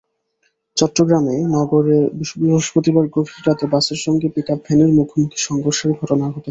চট্টগ্রামে নগরে বৃহস্পতিবার গভীর রাতে বাসের সঙ্গে পিকআপ ভ্যানের মুখোমুখি সংঘর্ষের ঘটনা ঘটেছে।